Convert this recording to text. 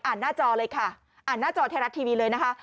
หน้าจอเลยค่ะอ่านหน้าจอไทยรัฐทีวีเลยนะคะ